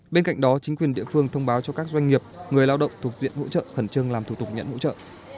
bên cạnh đó chính quyền địa phương thông báo cho các doanh nghiệp người lao động thuộc diện hỗ trợ khẩn trương làm thủ tục nhận hỗ trợ